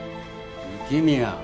雪宮！